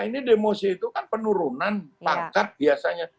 ini demosi itu kan penurunan pangkat biasanya